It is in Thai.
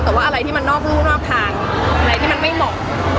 แต่ว่าอะไรที่มันนอกรู่นอกทางอะไรที่มันไม่เหมาะ